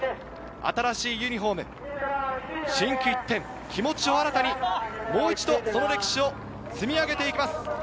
新しいユニホーム、心機一転、気持ちを新たに、もう一度その歴史を積み上げていきます。